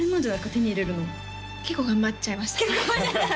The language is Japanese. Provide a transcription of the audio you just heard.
手に入れるの結構頑張っちゃいましたね